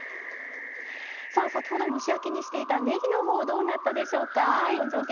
さあ先ほど蒸し焼きにしていたねぎのほうどうなったでしょうか本上さん？